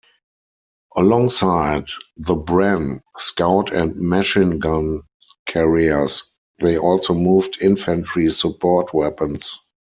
Alongside the Bren, Scout and Machine Gun Carriers, they also moved infantry support weapons.